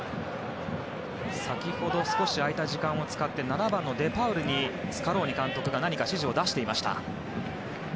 先ほど少し空いた時間を使って７番のデパウルにスカローニ監督が何か指示を出していました。